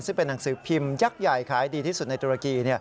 ซึ่งเป็นหนังสือพิมพ์ยักษ์ใหญ่ขายดีที่สุดในตุรกี